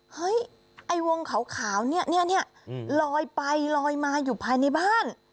เฮ้ยไอ้วงขาวเนี่ยลอยไปลอยมาอยู่ภายในบ้าน